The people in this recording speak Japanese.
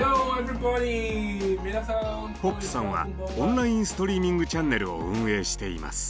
ポップさんはオンラインストリーミングチャンネルを運営しています。